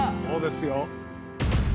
そうですよ。